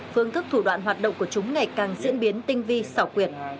phương thức thủ đoạn hoạt động của chúng ngày càng diễn biến tinh vi xảo quyệt